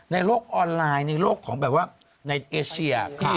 ในโลกออนไลน์ในโลกของแบบว่าในเอเชีย